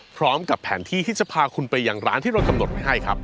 พร้อมกับแผนที่ที่จะพาคุณไปยังร้านที่เรากำหนดไว้ให้ครับ